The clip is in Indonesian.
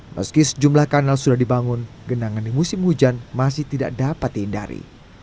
meski sejumlah kanal sudah dibangun genangan di musim hujan masih tidak dapat dihindari